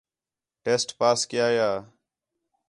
ٹیسٹ پاس کیا یا